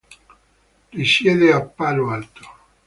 Risiede a Palo Alto.